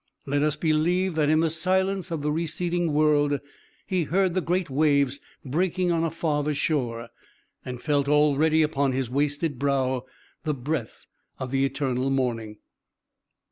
Let us believe that in the silence of the receding world be heard the great waves breaking on a farther shore, and felt already upon his wasted brow the breath of the eternal morning."